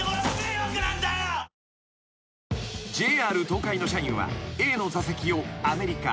［ＪＲ東海の社員はＡの座席をアメリカ］